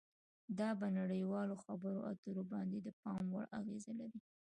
دا په نړیوالو خبرو اترو باندې د پام وړ اغیزه لري